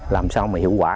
làm sao mà hiểu được